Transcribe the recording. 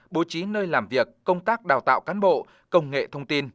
bố trí nơi làm việc công tác đào tạo cán bộ công nghệ thông tin